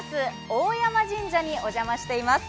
大山神社にお邪魔しています。